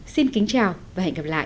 xin kính chào và hẹn gặp lại